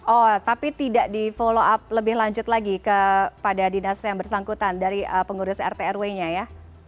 oh tapi tidak di follow up lebih lanjut lagi kepada dinas yang bersangkutan dari pengurus rt rw nya ya